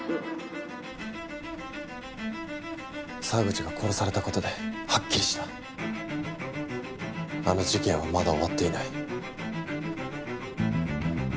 澤口が殺されたことでハッキリしたあの事件はまだ終わっていない。